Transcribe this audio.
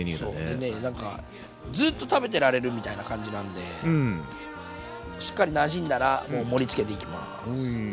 でねなんかずっと食べてられるみたいな感じなんでしっかりなじんだらもう盛りつけていきます。